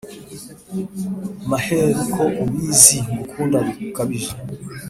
Maheru ko ubizi Ngukunda bikabije